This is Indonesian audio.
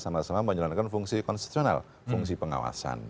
sama sama menjalankan fungsi konstitusional fungsi pengawasan